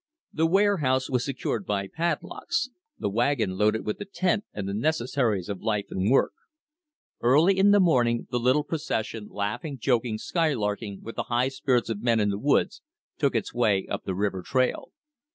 The warehouse was secured by padlocks, the wagon loaded with the tent and the necessaries of life and work. Early in the morning the little procession laughing, joking, skylarking with the high spirits of men in the woods took its way up the river trail.